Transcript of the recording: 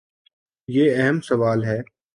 یہ اہم سوال ہے۔